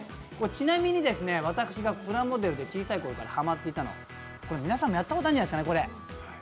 ちなみに私がプラモデルで小さいころからハマっていたのは皆さんもやったことあるんじゃないですかね、これ。